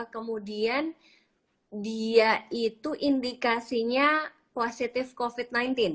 kemudian dia itu indikasinya positif covid sembilan belas